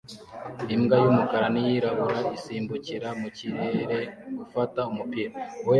Imbwa y'umukara n'iyirabura isimbukira mu kirere gufata umupira